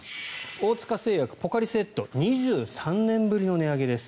大塚製薬、ポカリスエット２３年ぶりの値上げです。